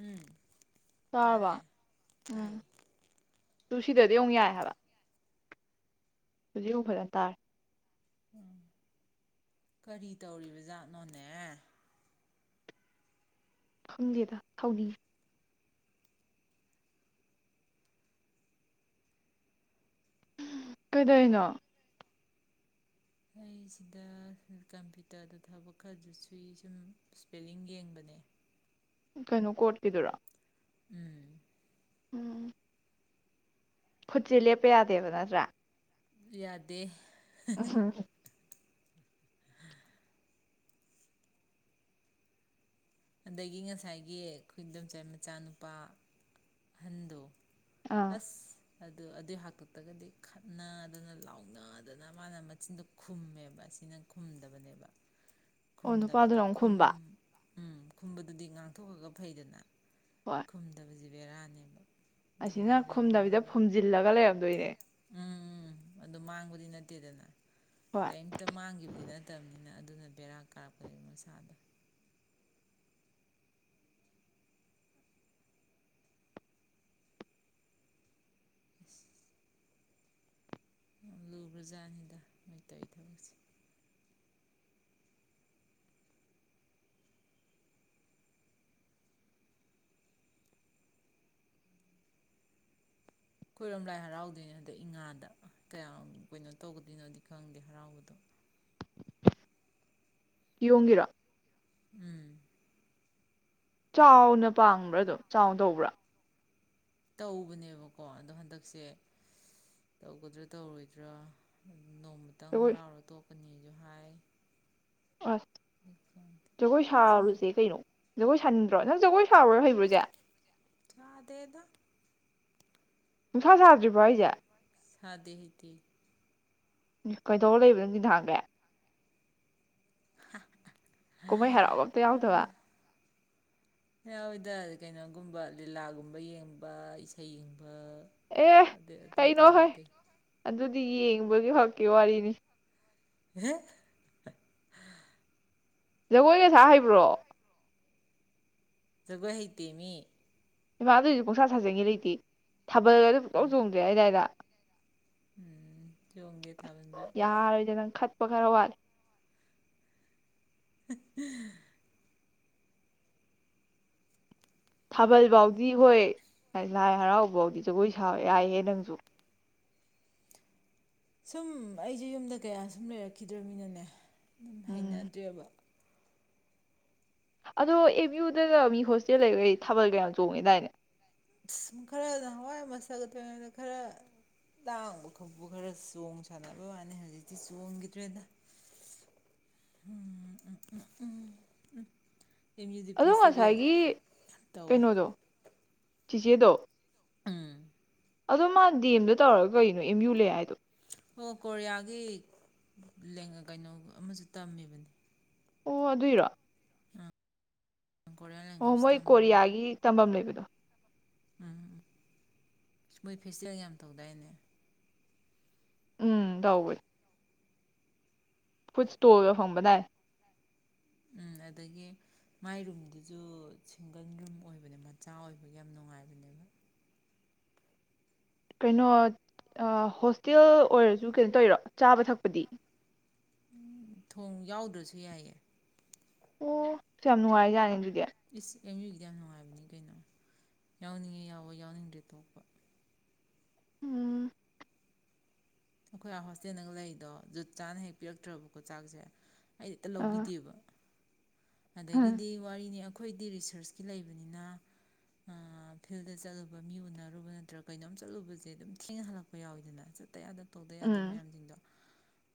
ꯎꯝ ꯇꯥꯔꯕ ꯇꯥꯔꯦ ꯎꯝ ꯇꯥꯏꯌꯦ ꯇꯨ ꯁꯤꯗꯗꯤ ꯑꯃꯨꯛ ꯌꯥꯏ ꯍꯥꯏꯕ ꯍꯧꯖꯤꯛ ꯑꯃꯨꯛ ꯐꯖꯅ ꯇꯥꯔꯦ ꯎꯝ ꯀꯔꯤ ꯇꯧꯔꯤꯕ ꯖꯥꯠꯅꯣꯅꯦ ꯈꯪꯗꯦꯗ [unintelligible] ꯀꯩꯗꯧꯔꯤꯅꯣ ꯑꯩꯁꯤꯗ ꯀꯝꯄ꯭ꯌꯨꯇꯔꯗ ꯊꯕꯛ ꯈꯔꯗꯨ ꯁꯨꯏ ꯁꯨꯝ ꯏꯁꯄꯦꯜꯂꯤꯡ ꯌꯦꯡꯕꯅꯦ ꯀꯩꯅꯣ ꯀꯣꯠꯀꯤꯗꯨꯔꯥ ꯎꯝ ꯎꯝ ꯈꯨꯠꯁꯦ ꯂꯦꯞꯄ ꯌꯥꯗꯦꯕ ꯅꯠꯇ꯭ꯔꯥ ꯌꯥꯗꯦ [unintelligible] ꯑꯗꯒꯤ ꯉꯁꯥꯏꯒꯤ ꯈꯣꯏ ꯏꯟꯗꯣꯝꯆꯥꯒꯤ ꯃꯆꯥꯅꯨꯄꯥ ꯑꯍꯟꯗꯣ ꯑꯥ ꯑꯁ ꯑꯗꯨ ꯑꯗꯨꯏ ꯍꯥꯛꯇꯛꯇꯒꯗꯤ ꯈꯠꯅꯗꯅ ꯂꯥꯎꯅꯗꯅ ꯃꯥꯅ ꯃꯆꯤꯟꯗꯣ ꯈꯨꯝꯃꯦꯕ ꯁꯤꯅ ꯈꯨꯝꯗꯕꯅꯦꯕ ꯑꯣ ꯈꯨꯝꯗꯕ ꯑꯗꯣ ꯅꯨꯄꯥꯗꯨꯅ ꯑꯃꯨꯛ ꯈꯨꯝ ꯈꯨꯝꯕ ꯎꯝ ꯈꯨꯝꯕꯗꯨꯗꯤ ꯉꯥꯡꯊꯣꯛꯑꯒ ꯐꯩꯗꯅ ꯍꯣꯏ ꯈꯨꯝꯗꯕ ꯕꯦꯔꯥꯅꯦꯕ ꯑꯁꯤꯅ ꯑꯗꯨꯃꯥꯏꯅ ꯂꯩꯕ ꯈꯨꯝꯗꯕꯤꯗ ꯐꯨꯝꯖꯤꯜꯂꯒ ꯂꯩꯔꯝꯗꯣꯏꯅꯦ ꯎꯝ ꯎꯝ ꯑꯗꯨ ꯃꯥꯡꯕꯗꯤ ꯅꯠꯇꯦꯗꯅ ꯍꯣꯏ ꯀꯔꯤꯝꯇ ꯃꯥꯡꯈꯤꯕꯗꯤ ꯅꯠꯇꯕꯅꯤꯅ ꯑꯗꯨꯅ ꯕꯦꯔꯥ ꯀꯥꯔꯛꯄꯗꯒꯤ ꯃꯁꯥꯗꯣ ꯂꯨꯒꯔꯥꯖꯥꯠꯅꯤꯗ ꯅꯣꯏꯇꯩꯏ ꯊꯕꯛꯁꯦ ꯈꯣꯏꯔꯣꯝ ꯂꯥꯏ ꯍꯔꯥꯎꯗꯣꯏꯅꯤ ꯍꯟꯗꯛ ꯏꯉꯥꯗ ꯀꯌꯥꯝ ꯀꯩꯅꯣ ꯇꯧꯒꯗꯣꯏꯅꯣꯗꯤ ꯈꯪꯗꯦ ꯍꯔꯥꯎꯕꯗꯣ ꯀꯤꯌꯣꯡꯒꯤꯔꯣ ꯎꯝ ꯆꯥꯎꯅ ꯄꯥꯡꯕ꯭ꯔꯥꯗꯨꯝ ꯆꯥꯎ ꯇꯧꯕ꯭ꯔꯥ ꯇꯧꯕꯅꯦꯕꯀꯣ ꯑꯗꯣ ꯍꯟꯗꯛꯁꯦ ꯇꯧꯒꯗ꯭ꯔꯥ ꯇꯧꯔꯣꯏꯗ꯭ꯔꯥ ꯅꯣꯡꯃꯇꯪ ꯖꯒꯣꯏ ꯍꯔꯥꯎꯔ ꯇꯣꯛ [unintelligible] ꯑꯁ ꯖꯒꯣꯏ ꯁꯨꯝ ꯁꯥꯔꯨꯁꯦ ꯀꯩꯅꯣ ꯖꯒꯣꯏ ꯍꯟꯗ꯭ꯔꯣ ꯅꯪ ꯖꯒꯣꯏ [unintelligible] ꯍꯩꯕꯔꯣ ꯆꯦ ꯁꯥꯗꯦꯗ ꯅꯨꯡꯁꯥ ꯁꯥꯗ꯭ꯔꯤꯕꯣ ꯍꯥꯏꯖꯦ ꯁꯥꯗꯦꯍꯦ ꯀꯩꯗꯧ ꯂꯩꯔꯤꯕ ꯅꯡꯗꯤ ꯅꯍꯥꯟꯒꯩ ꯍꯍ ꯀꯨꯝꯍꯩ ꯍꯔꯥꯎꯒ ꯑꯝꯇ ꯌꯥꯎꯗꯕ ꯌꯥꯎꯏꯗ ꯀꯩꯅꯣꯒꯨꯝꯕ ꯂꯤꯂꯥꯒꯨꯝꯕ ꯌꯦꯡꯕ ꯏꯁꯩ ꯑꯦ ꯑꯗꯨ ꯑꯇꯩꯗꯤ ꯀꯩꯅꯣ ꯍꯣꯏ ꯌꯥꯎꯗꯦ ꯑꯗꯨꯗꯤ ꯗꯤ ꯌꯦꯡꯕ ꯈꯛꯀꯤ ꯋꯥꯔꯤꯅꯤ ꯑꯍꯦ ꯖꯒꯣꯏꯒ ꯁꯥ ꯍꯩꯕ꯭ꯔꯣ ꯖꯒꯣꯏ ꯍꯩꯇꯦ ꯃꯤ ꯏꯃꯥ ꯑꯗꯨꯑꯣꯏꯁꯨ ꯄꯡꯁꯥ ꯁꯥꯖꯟꯒꯦ ꯂꯩꯇꯦ ꯊꯥꯕꯜꯒꯗꯨ ꯁꯨꯛꯆꯣꯡ ꯆꯣꯡꯗ꯭ꯔꯤ ꯍꯥꯏꯗꯥꯏ ꯅ ꯎꯝ ꯆꯣꯡꯗꯦ ꯊꯥꯕꯟꯖꯨ ꯄ ꯈꯔ ꯋꯥꯠꯂꯦ ꯍ ꯍꯥ ꯊꯥꯕꯜ ꯐꯥꯎꯗꯤ ꯍꯣꯏ ꯂꯥꯏ ꯍꯔꯥꯎ ꯐꯥꯎꯗꯤ ꯖꯒꯣꯏ ꯁꯥꯕ ꯌꯥꯏꯍꯦ ꯅꯪꯖꯨ ꯁꯨꯝ ꯑꯩꯖꯨ ꯌꯨꯝꯗ ꯀꯌꯥ ꯁꯨꯝ ꯂꯩꯔꯛꯈꯤꯗ꯭ꯔꯝꯅꯤꯅ ꯅꯦ ꯎꯝ ꯍꯩꯅꯗ꯭ꯔꯦꯕ ꯑꯗꯣ ꯑꯦꯝ ꯌꯨꯗꯒ ꯃꯤ ꯍꯣꯁꯇꯦꯜ ꯂꯩꯕꯒꯩ ꯊꯥꯕꯜꯒ ꯌꯥꯝ ꯆꯣꯡꯉꯦꯗꯥꯏꯅꯦ ꯁꯨꯝ ꯈꯔ ꯅꯍꯋꯥꯏ ꯑꯃ ꯃꯁꯇ꯭ꯔ ꯀꯥꯔꯤꯉꯩꯗ ꯈꯔ ꯂꯥꯡꯕ ꯈꯣꯠꯄ ꯈꯔ ꯆꯣꯡ ꯁꯥꯟꯅꯕ ꯋꯥꯅꯤ ꯍꯧꯖꯤꯛꯇꯤ ꯆꯣꯡꯈꯤꯗ꯭ꯔꯦꯗ ꯎꯝ ꯎꯝ ꯑꯦꯝ ꯌꯨ ꯗꯤ ꯑꯗꯣ ꯐꯦꯁꯇꯤꯚꯦꯜ ꯉꯁꯥꯏꯒꯤ ꯇꯧꯋꯦ ꯀꯩꯅꯣꯗꯣ ꯆꯤꯆꯦꯗꯣ ꯎꯝ ꯑꯗꯣ ꯃꯥ ꯗꯤ ꯑꯦꯝꯗ ꯇꯧꯔꯒ ꯀꯩꯅꯣ ꯑꯦꯝ ꯌꯨ ꯂꯩ ꯍꯥꯏꯗꯣ ꯑꯣ ꯀꯣꯔꯤꯌꯥꯒꯤ ꯂꯦꯡꯀꯩꯅꯣ ꯑꯃꯁꯨ ꯇꯝꯃꯤꯕꯅꯦ ꯑꯣ ꯑꯗꯨꯏꯔꯣ ꯀꯣꯔꯤꯌꯥꯟ ꯑꯣ ꯂꯦꯡꯒ꯭ꯋꯦꯖ ꯃꯣꯏ ꯇꯝꯃꯤꯕꯅꯤ ꯀꯣꯔꯤꯌꯥꯒꯤ ꯇꯝꯕꯝ ꯂꯩꯕꯅꯦ ꯗꯣ ꯎꯝ ꯃꯣꯏ ꯐꯦꯁꯇꯤꯚꯦꯜ ꯌꯥꯝ ꯇꯧꯗꯥꯏꯅꯦ ꯎꯝ ꯇꯧꯕꯅꯦ ꯐꯨꯠꯁ꯭ꯇꯣꯜꯒ ꯐꯝꯕꯗꯥꯏ ꯎꯝ ꯑꯗꯒꯤ ꯃꯥꯏ ꯔꯨꯝꯗꯨꯁꯨ ꯁꯤꯡꯒꯜ ꯔꯨꯝ ꯑꯣꯏꯕꯅꯦ ꯃꯆꯥ ꯑꯣꯏꯕꯒꯤ ꯌꯥꯝ ꯅꯨꯡꯉꯥꯏꯕꯅꯦꯕ ꯀꯩꯅꯣ ꯍꯣꯁꯇꯦꯜ ꯑꯣꯏꯔꯁꯨ ꯀꯩꯅꯣ ꯇꯧꯔꯤꯔꯣ ꯆꯥꯕ ꯊꯛꯄꯗꯤ ꯊꯣꯡ ꯌꯥꯎꯗ꯭ꯔꯁꯨ ꯌꯥꯏꯌꯦ ꯑꯣ ꯌꯥꯝ ꯅꯨꯡꯉꯥꯏꯖꯥꯠꯅꯤꯅ ꯑꯗꯨꯗꯤ ꯏꯁ ꯑꯦꯝ ꯌꯨꯒꯤꯗꯤ ꯌꯥꯝ ꯅꯨꯡꯉꯥꯏꯕꯅꯤ ꯀꯩꯅꯣ ꯌꯥꯎꯅꯤꯡꯉꯦ- ꯌꯥꯎꯋꯦ ꯌꯥꯎꯅꯤꯡꯗ꯭ꯔꯦ ꯇꯣꯛꯄ ꯎꯝ ꯑꯩꯈꯣꯏ ꯍꯣꯁꯇꯦꯜꯗꯒ ꯂꯩꯗꯣ ꯖꯨꯠ ꯆꯥꯅ ꯍꯦꯛ ꯄꯤꯔꯛꯇ꯭ꯔꯕꯀꯣ ꯆꯥꯛꯁꯦ ꯑꯩꯗꯤ ꯍꯦꯛꯇ ꯑꯥ ꯂꯧꯕꯤꯗꯦꯕ ꯑꯗꯒꯤꯗꯤ ꯋꯥꯔꯤꯅꯤ ꯑꯩꯈꯣꯏꯗꯤ ꯔꯤꯁꯔꯁꯀꯤ ꯂꯩꯕꯅꯤꯅ ꯐꯤꯜꯗ ꯆꯠꯂꯨꯕ ꯃꯤ ꯎꯅꯔꯨꯕ ꯅꯠꯇ꯭ꯔꯒ ꯀꯩꯅꯣꯝ ꯆꯠꯂꯨꯕꯁꯦ ꯑꯗꯨꯝ ꯊꯦꯡꯅ ꯍꯜꯂꯛꯄ ꯌꯥꯎꯋꯤꯗꯅ ꯆꯠꯇ ꯌꯥꯗꯕ ꯇꯧꯗ ꯌꯥꯗꯕ ꯎꯝ ꯃꯌꯥꯝꯁꯤꯡꯗꯣ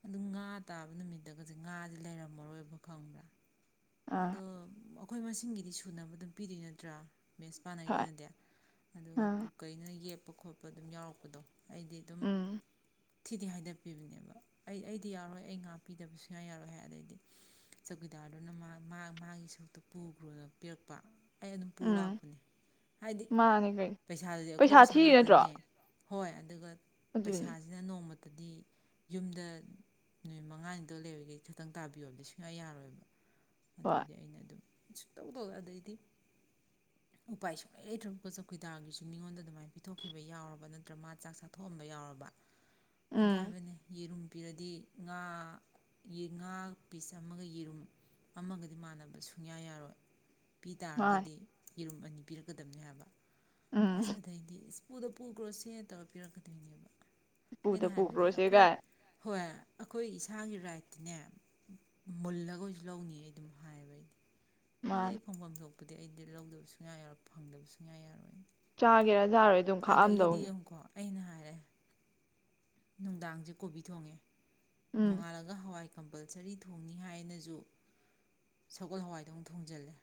ꯑꯗꯨ ꯉꯥ ꯇꯥꯕ ꯅꯨꯃꯤꯠꯇꯒꯗꯤ ꯉꯥꯁꯦ ꯂꯩꯔꯝꯃꯔꯣꯏꯕ ꯈꯪꯕ꯭ꯔꯥ ꯑꯥ ꯑꯗꯣ ꯑꯩꯈꯣꯏ ꯃꯁꯤꯡꯒꯤꯗꯤ ꯁꯨꯅꯕ ꯑꯗꯨꯝ ꯄꯤꯗꯣꯏ ꯅꯠꯇ꯭ꯔꯥ ꯃꯦꯁ ꯍꯣꯏ ꯄꯥꯅꯩꯗꯨꯅꯗꯤ ꯑꯗꯨꯒ ꯑꯥ ꯀꯨꯛꯀꯩꯩꯅꯅ ꯌꯦꯞ ꯈꯣꯠꯄ ꯑꯗꯨꯝ ꯌꯥꯎꯔꯛꯄꯗꯣ ꯑꯩꯗꯤ ꯑꯗꯨꯝ ꯎꯝ ꯊꯤꯗꯤ ꯍꯥꯏꯗꯛꯄꯤꯕꯅꯦꯕ ꯑꯩ ꯑꯩꯗꯤ ꯌꯥꯔꯣꯏ ꯑꯩ ꯉꯥꯄꯤꯗꯕ ꯁꯨꯡꯌꯥ ꯌꯥꯔꯣꯏ ꯍꯥꯏ ꯑꯗꯩꯗꯤ ꯆꯧꯀꯤꯗꯥꯔꯗꯨꯅ ꯃꯥꯒꯤ ꯁꯔꯨꯛꯇꯨ ꯄꯨꯈ꯭ꯔꯣꯅ ꯄꯤꯔꯛꯄ ꯑꯩ ꯑꯗꯨꯝ ꯄꯨ ꯎꯝ ꯂꯥꯛꯄꯅꯦ ꯍꯥꯏꯗꯤ ꯃꯥꯅꯦ ꯀꯩꯅꯣ ꯄꯩꯁꯥꯗꯨꯗꯤ ꯑꯩꯈꯣꯏ ꯄꯩꯁꯥ ꯉꯥꯛꯇꯅꯦ ꯍꯣꯏ ꯑꯗꯨꯒ ꯑꯗꯨꯅꯦ ꯑꯩꯅ ꯅꯣꯡꯃꯇꯗꯤ ꯌꯨꯝꯗ ꯅꯨꯃꯤꯠ ꯃꯉꯥꯅꯤꯗꯧ ꯂꯩꯔꯤꯒꯩ ꯈꯤꯇꯪ ꯇꯥꯕꯤꯌꯣꯕꯗꯤ ꯁꯨꯡꯌꯥ ꯌꯥꯔꯣꯏꯕ ꯍꯣꯏ ꯑꯗꯩꯗꯤ ꯑꯩꯅ ꯑꯗꯨꯝ ꯁꯨꯛꯇꯧ ꯇꯧ ꯑꯗꯩꯗꯤ ꯎꯄꯥꯏ ꯁꯨꯡꯂꯥꯏ ꯂꯩꯇ꯭ꯔꯕꯀꯣ ꯆꯧꯀꯤꯨꯗꯥꯔꯒꯤꯁꯨ ꯃꯤꯉꯣꯟꯗ ꯑꯗꯨꯃꯥꯏꯅ ꯄꯤꯊꯣꯛꯈꯤꯕ ꯌꯥꯎꯔꯕ ꯅꯠꯇ꯭ꯔꯒ ꯃꯥ ꯆꯥꯛ ꯆꯥꯊꯣꯛꯑꯝꯕ ꯌꯥꯎꯔꯕ ꯑꯩꯗꯤ ꯎꯝ ꯍꯥꯏꯕꯅꯤ ꯌꯦꯔꯨꯝ ꯄꯤꯔꯗꯤ ꯉꯥ ꯉꯥ ꯄꯤꯁ ꯑꯃꯒ ꯌꯦꯔꯨꯝ ꯑꯃꯒꯗꯤ ꯃꯥꯟꯅꯕ ꯁꯨꯡꯌꯥ ꯌꯥꯔꯣꯏ ꯄꯤ ꯃꯥꯅꯤ ꯇꯥꯔꯒꯗꯤ ꯌꯦꯔꯨꯝ ꯑꯅꯤ ꯄꯤꯔꯛꯀꯗꯕꯅꯦ ꯍꯥꯏꯕ ꯑꯁ ꯎꯝ ꯑꯗꯨꯗꯩꯗꯤ ꯢꯁ ꯄꯨꯨꯗ ꯄꯨꯈ꯭ꯔꯣ ꯁꯦ ꯇꯧꯔꯒꯥ ꯄꯤꯔꯛꯀꯗꯣꯏꯅꯦꯕ ꯄꯨꯗ ꯑꯩꯅ ꯄꯨ ꯍꯥꯏꯕꯅꯦ ꯑꯩꯈꯣꯏ ꯀ꯭ꯔꯣꯁꯦꯒ ꯍꯣꯏ ꯑꯩꯈꯣꯏ ꯏꯁꯥꯒꯤ ꯔꯥꯏꯠꯇꯤꯅꯦ ꯃꯨꯜꯂꯒ ꯑꯣꯏꯁꯨ ꯂꯧꯅꯤ ꯑꯩ ꯑꯗꯨꯝ ꯍꯥꯏꯕ ꯑꯩꯗꯤ ꯑꯩꯗꯤ ꯃꯥꯅꯤ ꯑꯩ ꯐꯪꯐꯝ ꯊꯣꯛ ꯑꯗꯨꯗꯤ ꯑꯩꯗꯤ ꯂꯧꯗꯕꯁꯨꯨꯡ ꯁꯨꯀꯌꯥ ꯌꯥꯔꯣꯏ ꯐꯪꯗꯕꯁ ꯁꯨꯛꯌꯥ ꯌꯥꯔꯣꯏ ꯆꯥꯒꯦꯔꯥ ꯆꯔꯣꯏꯔꯥ ꯑꯗꯨꯝ ꯑꯗꯒꯤꯗꯤ ꯈꯥꯛꯑꯝꯗꯧꯅꯤ ꯌꯦꯡꯉꯨꯀꯣ ꯑꯩꯅ ꯍꯥꯏꯔꯦ ꯅꯨꯡꯗꯥꯡꯁꯦ ꯀꯣꯕꯤ ꯊꯣꯡꯉꯦ ꯎꯝ ꯅꯣꯡꯉꯥꯜꯂꯒ ꯍꯋꯥꯏ ꯀꯝꯄꯜꯁꯔꯤ ꯊꯣꯡꯅꯤ ꯍꯥꯏꯅꯁꯨ ꯁꯒꯣꯜ ꯍꯋꯥꯏꯗꯧꯅ ꯑꯃꯨꯛ ꯊꯣꯡꯖꯜꯂꯦ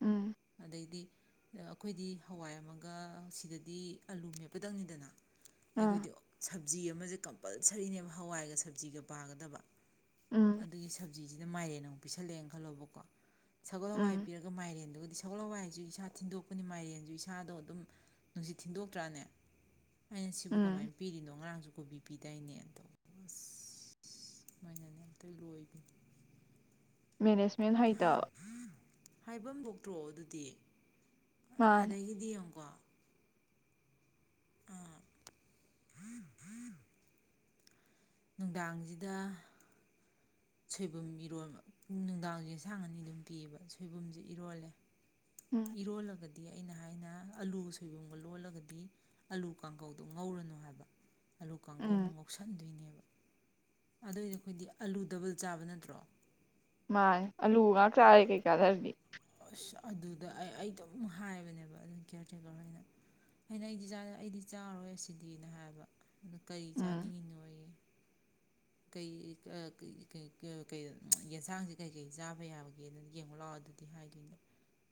ꯎꯝ ꯑꯗꯩꯗꯤ ꯑꯩꯈꯣꯏꯗꯤ ꯍꯋꯥꯏ ꯑꯃꯒ ꯁꯤꯗꯗꯤ ꯑꯂꯨ ꯃꯦꯞꯄꯗꯪꯅꯤꯗꯅ ꯑꯥ ꯑꯩꯈꯣꯏꯗꯤ ꯁꯞꯖꯤ ꯑꯃꯁꯦ ꯀꯝꯄꯜꯁꯔꯤꯅꯦꯕ ꯍꯋꯥꯏꯒ ꯁꯞꯖꯤꯒ ꯄꯥꯒꯗꯕ ꯎꯝ ꯑꯗꯨꯒꯤ ꯁꯕ ꯁꯖꯤꯁꯤꯗ ꯃꯥꯏꯔꯦꯟꯅ ꯑꯃꯨꯛ ꯄꯤꯁꯜꯂꯛꯑꯦꯅ ꯈꯜꯂꯣꯕꯀꯣ ꯁꯒꯣꯜ ꯎꯝ ꯍꯋꯥꯏ ꯄꯤꯔꯒ ꯃꯥꯏꯔꯦꯟꯗꯨꯒ ꯁꯒꯣꯛꯂꯋꯥꯏ ꯍꯥꯏꯁꯨ ꯏꯁꯥ ꯊꯤꯟꯗꯣꯛꯄꯅꯤ ꯃꯥꯏꯔꯦꯟꯁꯨ ꯏꯁꯥꯗꯣ ꯑꯗꯨꯝ ꯅꯨꯡꯁꯤꯠ ꯊꯤꯟꯗꯣꯛꯇ꯭ꯔꯥꯅꯦ ꯑꯩꯅ ꯁꯤꯕꯨ ꯀꯃꯥꯏ ꯎꯝ ꯄꯤꯔꯤꯅꯣ ꯉꯔꯥꯡꯁꯨ ꯀꯣꯕꯤ ꯄꯤꯗꯥꯏꯅꯦ ꯇꯧꯕ ꯑꯁ ꯁꯨꯃꯥꯏꯅꯅꯦ ꯑꯝꯇ ꯂꯣꯏꯕꯅꯤ ꯃꯦꯅꯦꯁꯃꯦꯟ ꯍꯩꯇꯥꯕ ꯍꯥꯏꯐꯝ ꯕꯣꯛꯇ꯭ꯔꯣ ꯑꯗꯨꯗꯤ ꯃꯥꯅꯤ ꯑꯗꯒꯤꯗꯤ ꯌꯦꯡꯉꯀꯣ ꯅꯨꯡꯗꯥꯡꯁꯤꯗ ꯁꯣꯏꯕꯨꯝ ꯏꯔꯣꯕ ꯅꯨꯡꯗꯥꯡꯁꯦꯟꯁꯥꯡ ꯑꯅꯤ ꯑꯗꯨꯝ ꯄꯤꯕ ꯁꯣꯏꯕꯨꯝꯁꯦ ꯏꯔꯣꯜꯂꯦ ꯎꯝ ꯏꯔꯣꯜꯂꯥꯒꯗꯤ ꯗꯤ ꯑꯩꯅ ꯍꯥꯏꯅ ꯑꯂꯨ ꯁꯣꯏꯕꯨꯝꯒ ꯂꯣꯜꯂꯒꯗꯤ ꯑꯂꯨ ꯀꯥꯡꯈꯧꯗꯣ ꯉꯧꯔꯅꯨ ꯍꯥꯏꯕ ꯑꯥꯂꯨ ꯀꯥꯡꯒꯧ ꯎꯝ ꯑꯃꯨꯛ ꯉꯧꯁꯟꯗꯣꯏꯅꯦꯕ ꯑꯗꯨꯏꯗꯤ ꯑꯩꯈꯣꯏꯗꯤ ꯑꯥꯂꯨ ꯗꯕꯜ ꯆꯥꯕ ꯅꯠꯇ꯭ꯔꯣ ꯃꯥꯥꯏ ꯑꯂꯨ ꯉꯥꯛ ꯆꯥꯔꯦ ꯀꯩꯀꯥꯗꯅꯤ ꯑꯁ ꯑꯗꯨꯗ ꯑꯩ ꯑꯩ ꯑꯗꯨꯝ ꯍꯥꯏꯕꯅꯦꯕ ꯑꯗꯨꯝ ꯀꯤꯌꯔ ꯇꯦꯀꯔꯅ ꯑꯩꯅ ꯑꯩꯗꯤ ꯆꯥ ꯑꯩꯗꯤ ꯆꯥꯔꯣꯏ ꯑꯁꯤꯗꯤꯅ ꯍꯥꯏꯕ ꯑꯗꯨ ꯀꯔꯤ ꯎꯝ ꯆꯥꯅꯤꯡꯉꯤꯅꯣ ꯑꯩꯌꯦ [unintelligible] ꯌꯦꯟꯁꯥꯡꯁꯦ ꯀꯩꯀꯩ ꯆꯥꯕ ꯌꯥꯕꯒꯦꯅ ꯌꯦꯡꯕ ꯂꯥꯛꯑꯣ ꯑꯗꯨ ꯗꯤ ꯍꯥꯏꯈꯤꯅꯦ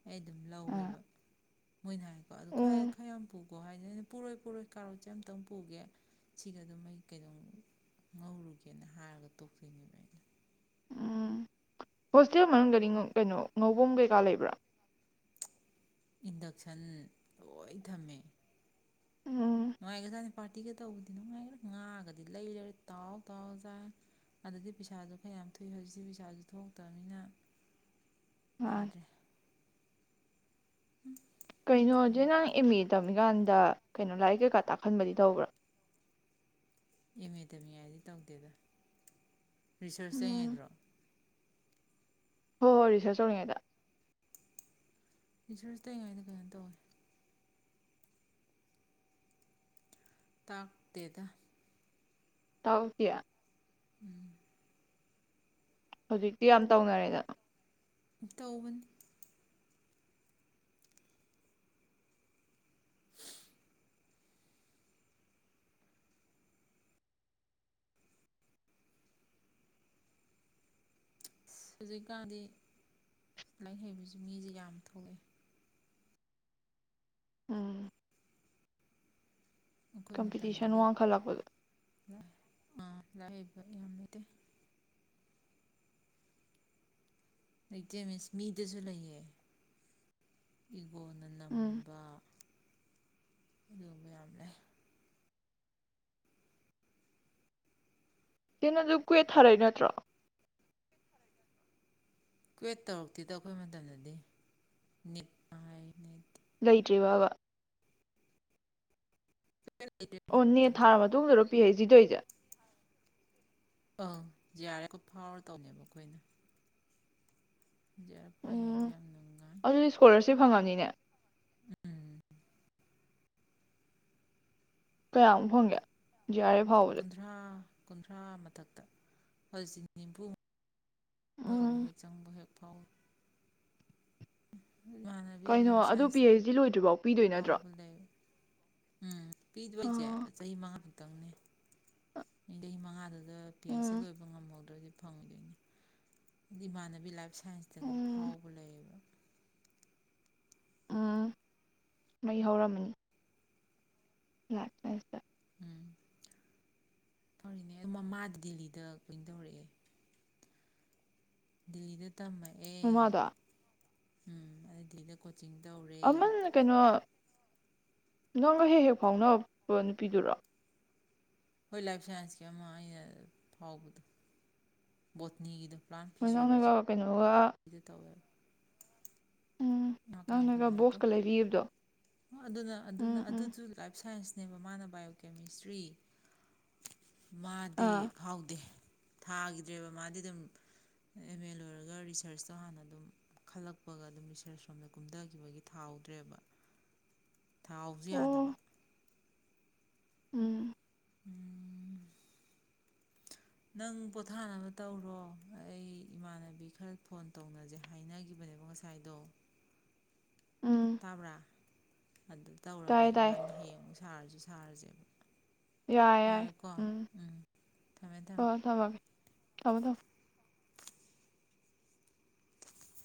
ꯑꯩ ꯑꯗꯨꯝ ꯑ ꯂꯧꯋꯦꯕ ꯃꯣꯏꯅ ꯍꯥꯏꯀꯣ ꯑꯗꯨ ꯈꯔ ꯎꯝ ꯈꯔꯌꯥꯝ ꯄꯨꯈꯣ ꯍꯥꯏꯗꯤ ꯑꯩꯅ ꯄꯨꯔꯣꯏ ꯄꯨꯔꯣꯏ ꯀꯥꯔꯣꯇꯁꯦ ꯑꯝꯇꯪ ꯄꯨꯒꯦ ꯁꯤꯒ ꯑꯗꯨꯝ ꯑꯩ ꯀꯩꯗꯧ ꯉꯧꯔꯨꯒꯦꯅ ꯍꯥꯏꯔꯒ ꯇꯣꯛꯇꯣꯏꯅꯦꯕ ꯑꯩꯅ ꯎꯝ ꯍꯣꯏ ꯍꯣꯁꯇꯦꯜ ꯃꯅꯨꯡꯗꯗꯤ ꯀꯩꯅꯣ ꯉꯧꯕꯝ ꯀꯩ ꯀꯥ ꯂꯩꯕ꯭ꯔꯥ ꯏꯟꯗꯛꯁꯟ ꯂꯣꯏ ꯊꯝꯃꯦ ꯎꯝ ꯅꯨꯉꯥꯏꯒ꯭ꯔꯖꯥꯗꯅꯤ ꯄꯥꯔꯇꯤꯒ ꯇꯧꯕꯗꯤ ꯅꯨꯡꯉꯥꯏꯈ꯭ꯔꯦ ꯉꯥꯒꯗꯤ ꯂꯩ ꯂꯩꯔꯦ ꯇꯥꯎ ꯇꯥꯎꯔꯥ ꯆꯥꯢ ꯑꯗꯨꯗꯤ ꯄꯩꯁꯥꯁꯨ ꯈꯔ ꯌꯥꯝ ꯊꯣꯛꯏ ꯍꯧꯖꯤꯛꯁꯤ ꯄꯩꯁꯥꯁꯨ ꯊꯣꯛꯇꯕꯅꯤꯅ ꯃꯥꯅꯦ ꯌꯥꯗ꯭ꯔꯦ ꯑꯩꯈꯣꯏꯅ ꯒꯥꯟꯗ ꯀꯩꯅꯣ ꯂꯥꯏꯔꯤꯛ ꯀꯩꯀꯥ ꯇꯥꯛꯍꯟꯕꯗꯤ ꯇꯧꯕ꯭ꯔꯥ ꯑꯦꯝ ꯃꯦ ꯇꯝꯃꯤ ꯉꯥꯢꯗꯗꯤ ꯇꯧꯗꯦꯗ ꯔꯤꯁꯔꯁ ꯇꯧꯉꯩꯗ꯭ꯔꯣ ꯍꯣ ꯍꯣꯏ ꯔꯤꯁ꯭ꯔꯁ ꯇꯧꯔꯤꯉꯩꯗ ꯔꯤꯁ꯭ꯔꯁ ꯇꯧꯔꯤ ꯉꯥꯏꯗ ꯀꯩꯅꯣ ꯇꯧꯋꯦ ꯇꯥꯛꯇꯦꯗ ꯇꯧ [unintelligible] ꯎꯝ ꯍꯧꯖꯤꯛꯇꯤ ꯌꯥꯝ ꯇꯧꯅꯔꯦꯗꯅ ꯇꯧꯕꯅꯦ ꯍꯧꯖꯤꯛꯀꯥꯟꯗꯤ ꯂꯥꯏꯔꯤꯛ ꯍꯩꯕꯁꯤ ꯃꯤꯁꯦ ꯌꯥꯝ ꯊꯣꯛꯂꯛꯑꯦ ꯎꯝ ꯑꯩꯈꯣꯏ ꯀꯝꯄꯤꯇꯤꯁꯟ ꯃꯇꯝꯗꯗꯤ ꯋꯥꯡꯈꯜꯂꯛꯄꯗꯣ ꯑꯥ ꯂꯥꯏꯔꯤꯛ ꯍꯩꯕ ꯌꯥꯝ ꯂꯩꯗꯦ ꯂꯩꯇꯦ ꯃꯤꯟꯁ ꯃꯤꯗꯁꯨ ꯂꯩꯌꯦ ꯏꯒꯣꯅ ꯎꯝ ꯅꯝꯕ ꯑꯗꯨꯒꯕ ꯌꯥꯝ ꯂꯩ ꯁꯤꯅ ꯑꯗꯨ ꯀꯋ꯭ꯦꯠ ꯊꯥꯔꯛꯏ ꯅꯠꯇ꯭ꯔꯣ ꯀ꯭ꯋꯦꯠ ꯇꯧꯔꯛꯇꯦꯗꯣ ꯑꯩꯈꯣꯏ ꯃꯇꯝꯗꯗꯤ ꯅꯤꯠ ꯅꯤ ꯍꯥꯏ ꯂꯩꯇ꯭ꯔꯤ ꯕ꯭ꯔꯕꯥ ꯑꯣꯅꯦ ꯊꯥꯕ ꯃꯇꯨꯡꯗ ꯔꯣ ꯄꯤ ꯍꯩꯁ ꯗꯤ ꯇꯧꯏꯖꯦ ꯑꯪ ꯖꯦꯑꯥꯔ ꯑꯦꯐ ꯐꯥꯎꯔ ꯇꯧꯅꯦꯕ ꯑꯩꯈꯣꯏꯅ ꯌꯥ ꯎꯝ ꯑꯗꯨꯗꯤ ꯏꯁꯀꯣꯂꯔꯁꯤꯞ ꯐꯪꯉꯝꯅꯤꯅꯦ ꯎꯝ ꯀꯌꯥꯃꯨꯛ ꯐꯣꯡꯒꯦ ꯀꯨꯟꯊ꯭ꯔꯥ ꯀꯨꯟꯊ꯭ꯔꯥ ꯃꯊꯛꯇ ꯍꯧꯖꯤꯛꯇ ꯅꯤꯝꯐꯨ ꯃꯨ ꯌꯧꯔꯦ ꯎꯝ ꯍꯦꯛ ꯆꯪꯕ ꯍꯦꯛ ꯄꯥꯎ ꯀꯩꯅꯣ ꯑꯗꯨ ꯄꯤ ꯁꯥꯏꯟꯁꯇ ꯑꯩꯆ ꯗꯤ ꯂꯣꯏꯗ꯭ꯔꯤꯐꯥꯎ ꯄꯤꯗꯣꯏ ꯅꯠꯇ꯭ꯔꯣ ꯐꯥꯎꯕ ꯂꯩ ꯎꯝ ꯄꯤꯗꯣꯏꯁꯦ ꯑꯥ ꯆꯍꯤ ꯃꯉꯥ ꯇꯪꯅꯦ ꯃꯤ ꯂꯩ ꯃꯉꯥꯗ ꯑꯗ ꯄꯤ ꯑꯩꯩꯆ ꯁꯤ ꯎꯝ ꯂꯣꯏꯕ ꯉꯝꯍꯧꯗ꯭ꯔꯥꯗꯤ ꯐꯪꯗꯅꯤ ꯏꯃꯥꯟꯅꯕꯤ ꯂꯥꯏ꯭ꯄ ꯁꯥꯏꯟꯁꯇꯒ ꯎꯝ ꯐꯥꯎꯕ ꯂꯩꯌꯦꯕ ꯎꯝ ꯃꯩ ꯍꯧꯔꯝꯃꯅꯤ ꯂꯥꯛ [unintelligible] ꯐꯔꯤꯅꯦ ꯃꯃꯥꯗ ꯗꯦꯜꯂꯤꯗ ꯀꯣꯏꯅ ꯇꯧꯔꯛꯑꯦ ꯗꯤꯂꯤꯗ ꯇꯃꯛꯑꯦ ꯃꯃꯥꯗꯣ ꯎꯝ ꯑꯗꯨ ꯗꯤꯂꯤꯗ ꯀꯣꯆꯤꯡ ꯇꯩ ꯑꯃꯜ ꯀꯩꯅꯣ ꯅꯪꯒ ꯍꯦꯛ ꯍꯦꯛ ꯐꯥꯎ ꯅꯨꯄꯤꯗꯨꯔꯣ ꯍꯣꯏ ꯂꯥꯏꯐ ꯁꯥꯏꯟꯁꯀꯤ ꯑꯃ ꯑꯩꯅ ꯐꯥꯎꯕꯗꯣ ꯕꯣꯠꯅꯤꯒꯤꯗꯣ ꯄ꯭ꯂꯥꯟ ꯃꯣꯏꯅꯥꯎꯅꯒ ꯐꯤꯖꯤꯣꯂꯣꯖꯤꯗ ꯀꯩꯅꯣꯒ ꯇꯧꯋꯦꯕ ꯎꯝ [unintelligible] ꯀꯌꯥꯝ ꯅꯪꯅꯒ ꯀꯨꯜꯂꯦ ꯑꯗꯨ ꯕꯣꯛꯁꯀ ꯂꯩꯕꯤꯈꯤꯕꯗꯣ ꯑꯗꯨꯅ ꯑꯗꯨꯅ ꯎꯝ ꯎꯝ ꯑꯗꯨꯁꯨ ꯂꯥꯏꯐ ꯁꯥꯏꯟꯁ ꯅꯦꯕ ꯃꯥꯅ ꯕꯥꯏꯑꯣꯀꯦꯃꯤꯁꯇ꯭ꯔꯤ ꯃꯥꯗꯤ ꯑꯥ ꯐꯥꯎꯗꯦ ꯊꯥꯒꯤꯗ꯭ꯔꯦꯕ ꯃꯥꯗꯤ ꯑꯗꯨꯝ ꯑꯦꯝ ꯑꯦ ꯂꯣꯏꯔꯒ ꯔꯤꯁꯔꯁꯇꯣ ꯍꯥꯟꯅ ꯑꯗꯨꯝ ꯈꯜꯂꯛꯄꯒ ꯑꯗꯨꯝ ꯔꯤꯁꯔꯁ ꯁꯣꯝꯗ ꯀꯨꯝꯊꯈꯤꯕꯒꯤ ꯊꯥꯎꯍꯧꯗ꯭ꯔꯦꯕ ꯊꯥꯎꯁꯨ ꯑꯣ ꯌꯥꯗꯕ ꯎꯝ ꯎꯝ ꯅꯪ ꯄꯣꯊꯥꯅꯕ ꯇꯧꯔꯣ ꯑꯩ ꯏꯃꯥꯟꯅꯕꯤ ꯈꯔ ꯐꯣꯟ ꯇꯧꯅꯖꯦ ꯍꯥꯏꯅꯈꯤꯕꯅꯦꯕ ꯉꯁꯥꯏꯗꯣ ꯎꯝ ꯇꯥꯕ꯭ꯔꯥ ꯑꯗꯨ ꯇꯥꯏ ꯇꯧꯔꯒꯦ ꯇꯥꯏ ꯏꯕꯥꯅꯤ ꯍꯌꯦꯡ ꯑꯃꯨꯛ ꯁꯥꯔꯖꯨ ꯊꯥꯔꯖꯦ ꯌꯥꯏ ꯌꯥꯏ ꯎꯝ ꯊꯝꯃꯦ ꯊꯝꯃꯦ ꯍꯣꯏ ꯊꯝꯃꯒꯦ ꯊꯝꯃꯣ ꯊꯝꯃꯣ